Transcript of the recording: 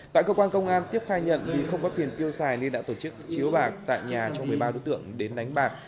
tại cơ quan công an tiếp khai nhận vì không có tiền tiêu xài nên đã tổ chức chiếu bạc tại nhà cho một mươi ba đối tượng đến đánh bạc